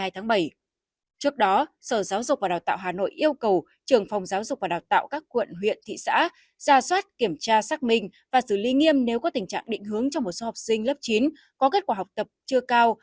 trước đó sở giáo dục và đào tạo hà nội yêu cầu trường phòng giáo dục và đào tạo các quận huyện thị xã ra soát kiểm tra xác minh và xử lý nghiêm nếu có tình trạng định hướng cho một số học sinh lớp chín có kết quả học tập chưa cao